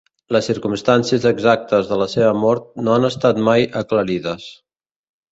Les circumstàncies exactes de la seva mort no han estat mai aclarides.